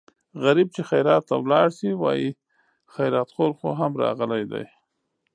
غریب چې خیرات ته لاړ شي وايي خیراتخور خو هم راغلی دی.